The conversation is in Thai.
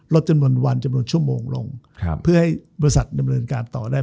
จำนวนวันจำนวนชั่วโมงลงเพื่อให้บริษัทดำเนินการต่อได้